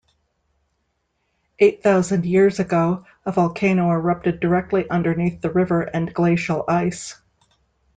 Eight thousand years ago, a volcano erupted directly underneath the river and glacial ice.